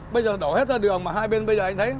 bây giờ đổ hết ra đường mà hai bên bây giờ anh thấy